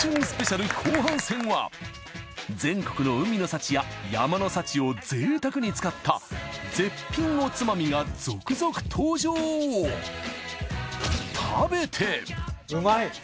スペシャル後半戦は全国の海の幸や山の幸をぜいたくに使った絶品おつまみが続々登場うまい！